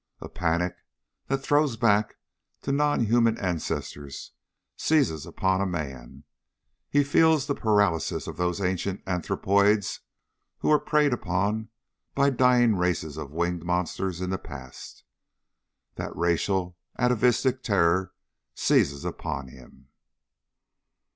A panic that throws back to non human ancestors seizes upon a man. He feels the paralysis of those ancient anthropoids who were preyed upon by dying races of winged monsters in the past. That racial, atavistic terror seizes upon him.